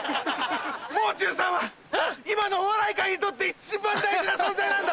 「もう中さん」は今のお笑い界にとって一番大事な存在なんだ！